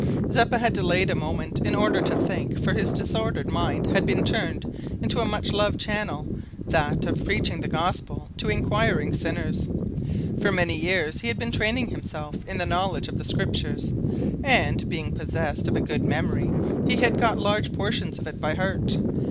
Zeppa had delayed a moment in order to think for his disordered mind had been turned into a much loved channel, that of preaching the Gospel to inquiring sinners. For many years he had been training himself in the knowledge of the Scriptures, and, being possessed of a good memory, he had got large portions of it by heart.